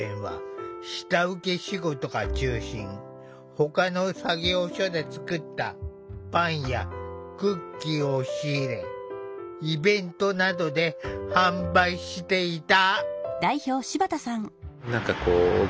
ほかの作業所で作ったパンやクッキーを仕入れイベントなどで販売していた。